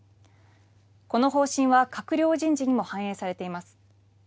この方針は閣僚人事にも反映されています。